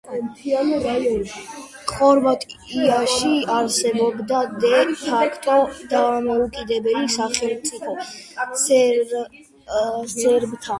ხორვატიაში არსებობდა დე ფაქტო დამოუკიდებელი სახელმწიფო სერბთა რესპუბლიკა კრაინა სადაც უმეტესობას სერბები შეადგენდნენ.